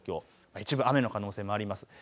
一部、雨の可能性もあります。